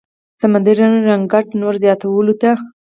سمندري رنګت نور زياتولو ته